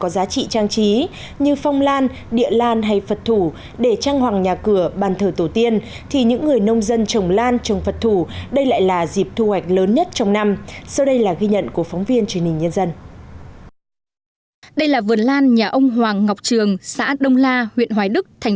đây là vườn lan nhà ông hoàng ngọc trường xã đông la huyện hoài đức thành phố hà nội